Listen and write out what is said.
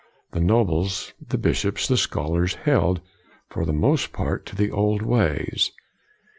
The nobles, the bishops, the scholars held, for the most part, to the old ways.